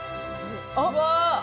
うわ！